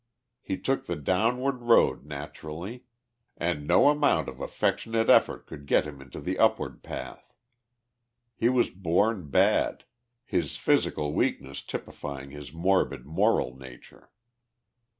He took the downward road naturally, and no amount of affectionate effort could get him into the upward path. He was born bad, his physical weakness typifying his morbid moral nature.